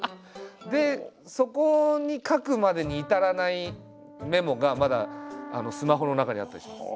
でそこに書くまでに至らないメモがまだスマホの中にあったりします。